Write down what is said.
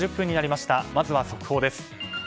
まずは速報です。